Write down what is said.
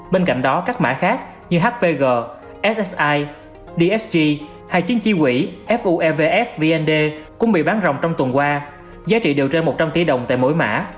bên cạnh đó các mã khác như hvg ssi dsg hay chiến chi quỷ fuevf vnd cũng bị bán rộng trong tuần qua giá trị đều trên một trăm linh tỷ đồng tại mỗi mã